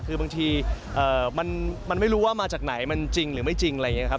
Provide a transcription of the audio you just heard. คือบางทีมันไม่รู้ว่ามาจากไหนมันจริงหรือไม่จริงอะไรอย่างนี้ครับ